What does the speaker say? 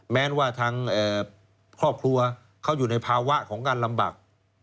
แม้ว่าทางครอบครัวเขาอยู่ในภาวะของการลำบาก